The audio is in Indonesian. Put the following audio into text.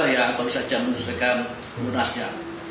yang baru saja menurut saya